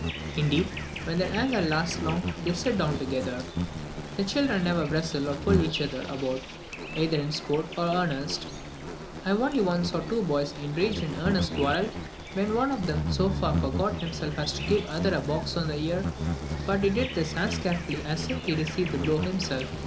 Indeed, when their anger lasts long, they sit down together. The children never wrestle or pull each other about, either in sport or earnest. I only once saw two boys engaged in earnest quarrel, when one of them so far forgot himself as to give the other a box on the ear, but he did this as carefully as if he received the blow himself.